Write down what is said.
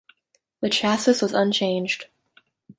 The chassis was unchanged.